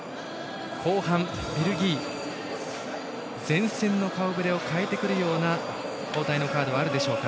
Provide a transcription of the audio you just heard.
後半、ベルギー前線の顔ぶれを変えてくるような交代のカードはあるでしょうか。